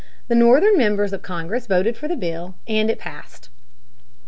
The Northern members of Congress voted for the bill, and it passed.